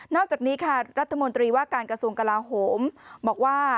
อกจากนี้ค่ะรัฐมนตรีว่าการกระทรวงกลาโหมบอกว่า